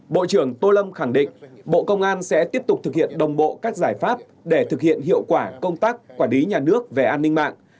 bộ trưởng tô lâm khẳng định bộ công an sẽ tiếp tục thực hiện đồng bộ các giải pháp để thực hiện hiệu quả công tác quản lý nhà nước về an ninh mạng